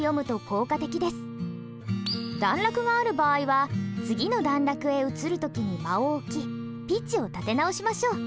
段落がある場合は次の段落へ移る時に間を置きピッチを立て直しましょう。